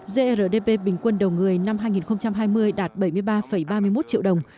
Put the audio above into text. grdp bình quân đầu người năm hai nghìn hai mươi đạt bảy mươi ba ba mươi một triệu đồng